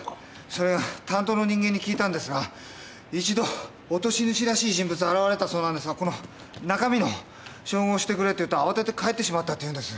それが担当の人間に聞いたんですが一度落とし主らしい人物が現れたそうなんですが「この中身の照合をしてくれ」と言うと「慌てて帰ってしまった」って言うんです。